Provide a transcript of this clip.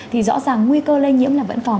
thì rõ ràng nguy cơ lây nhiễm là vẫn còn